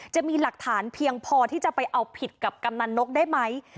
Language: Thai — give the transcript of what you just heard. จะมีหลักฐานเพียงพอที่จะไปเอาผิดกับกำนันนกได้ไหม